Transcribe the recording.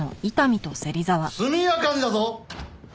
速やかにだぞ！